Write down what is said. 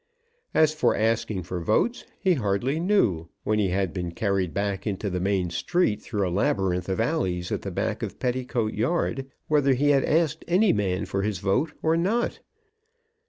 As for asking for votes, he hardly knew, when he had been carried back into the main street through a labyrinth of alleys at the back of Petticoat Yard, whether he had asked any man for his vote or not.